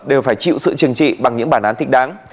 đều phải chịu sự chừng trị bằng những bản án thịnh đáng